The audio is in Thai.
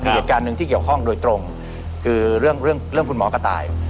เหตุการณ์หนึ่งที่เกี่ยวข้องโดยตรงคือเรื่องเรื่องคุณหมอกระต่าย